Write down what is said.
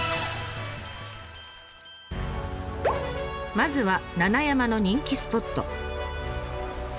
まずは七山の人気スポット。